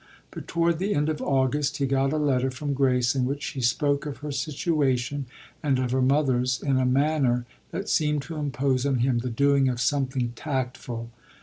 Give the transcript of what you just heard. But toward the end of August he got a letter from Grace in which she spoke of her situation and of her mother's in a manner that seemed to impose on him the doing of something tactful.